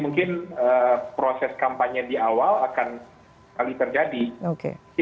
mungkin proses kampanye di awal akan kali terjadi